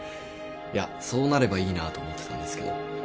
いやそうなればいいなと思ってたんですけど。